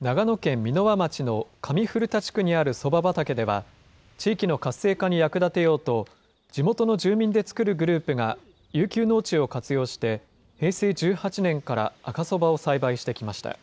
長野県箕輪町の上古田地区にあるそば畑では、地域の活性化に役立てようと、地元の住民で作るグループが遊休農地を活用して、平成１８年から赤そばを栽培してきました。